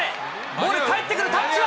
ボールかえってくる、タッチは？